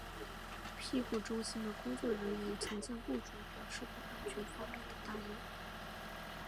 庇护中心的工作人员曾向雇主表示过安全方面的担忧。